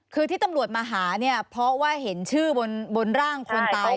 คือที่ตำรวจมาหาเนี่ยเพราะว่าเห็นชื่อบนร่างคนตาย